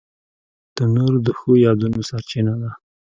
تنور د ښو یادونو سرچینه ده